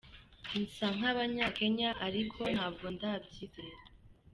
Nsank’abanyakenya Ariko ntabwo ndabyizera.